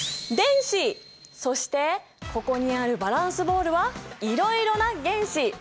そしてここにあるバランスボールはいろいろな原子！